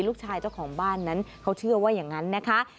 เจ้าของบ้านนั้นเขาเชื่อว่าอย่างนั้นนะคะ